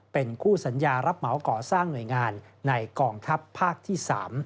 เป็นคู่สัญญารับเหมาก่อสร้างหน่วยงานในกองทัพภาคที่๓